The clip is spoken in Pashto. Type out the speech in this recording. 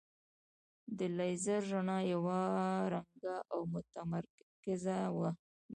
د لیزر رڼا یو رنګه او متمرکزه وي.